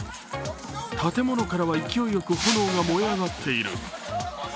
建物からは勢いよく炎が燃え上がっている。